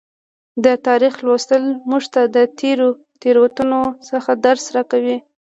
د تاریخ لوستل موږ ته د تیرو تیروتنو څخه درس راکوي.